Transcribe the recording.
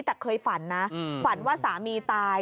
แต่เคยฝันนะฝันว่าสามีตาย